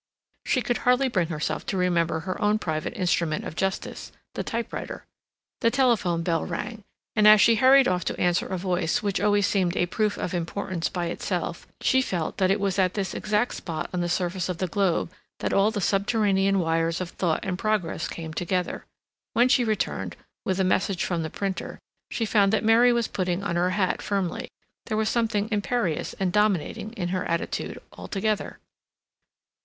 She could hardly bring herself to remember her own private instrument of justice—the typewriter. The telephone bell rang, and as she hurried off to answer a voice which always seemed a proof of importance by itself, she felt that it was at this exact spot on the surface of the globe that all the subterranean wires of thought and progress came together. When she returned, with a message from the printer, she found that Mary was putting on her hat firmly; there was something imperious and dominating in her attitude altogether.